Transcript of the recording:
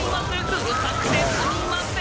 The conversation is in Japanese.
うるさくてすみません。